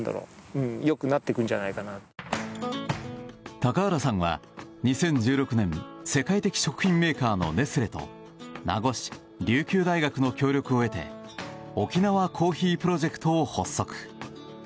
高原さんは２０１６年世界的食品メーカーのネスレと名護市、琉球大学の協力を得て沖縄コーヒープロジェクトを発足。